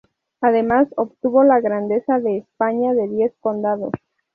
Además obtuvo la Grandeza de España de diez condados.